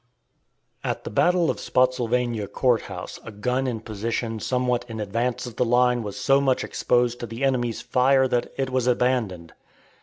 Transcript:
At the battle of Spottsylvania Court House, a gun in position somewhat in advance of the line was so much exposed to the enemy's fire that it was abandoned.